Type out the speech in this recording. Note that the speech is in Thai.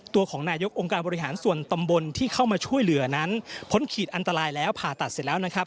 ตัวของนายกองค์การบริหารส่วนตำบลที่เข้ามาช่วยเหลือนั้นพ้นขีดอันตรายแล้วผ่าตัดเสร็จแล้วนะครับ